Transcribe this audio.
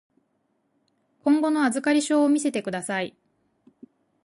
今後の預かり証を見せてください。